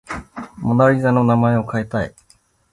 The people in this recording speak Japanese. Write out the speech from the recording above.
モナ・リザの名前を変えたい